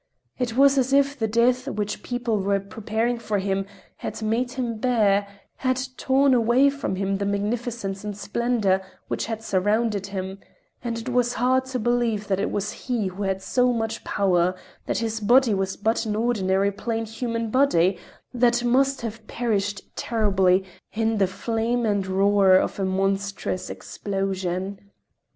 It was as if the death which people were preparing for him, had made him bare, had torn away from him the magnificence and splendor which had surrounded him—and it was hard to believe that it was he who had so much power, that his body was but an ordinary plain human body that must have perished terribly in the flame and roar of a monstrous explosion.